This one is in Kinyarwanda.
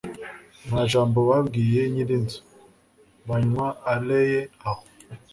Nta jambo babwiye nyirinzu, banywa ale ye aho,